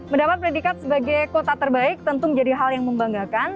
mendapat predikat sebagai kota terbaik tentu menjadi hal yang membanggakan